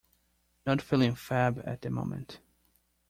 Not feeling fab at the moment.